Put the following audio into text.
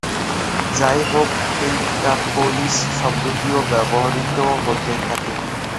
যাইহোক, " পেন্টাপোলিস" শব্দটিও ব্যবহৃত হতে থাকে।